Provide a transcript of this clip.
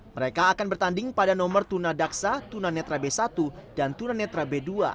mereka akan bertanding pada nomor tuna daksa tuna netra b satu dan tuna netra b dua